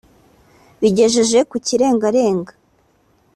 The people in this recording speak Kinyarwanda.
Bigejeje ku kirengarenga